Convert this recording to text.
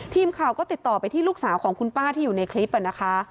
ทีมข่าวก็ติดต่อไปที่ลูกสาวของคุณป้าที่อยู่ในคลิปนะคะ